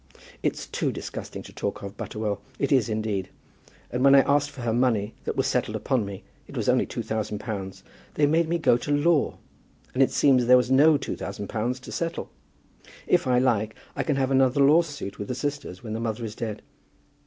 "It's too disgusting to talk of, Butterwell; it is indeed. And when I asked for her money that was settled upon me, it was only two thousand pounds, they made me go to law, and it seems there was no two thousand pounds to settle. If I like, I can have another lawsuit with the sisters, when the mother is dead.